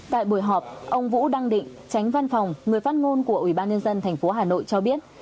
tại buổi họp ông vũ đăng định tránh văn phòng người phát ngôn của ủy ban nhân dân tp hà nội cho biết